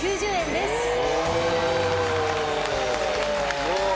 すごい！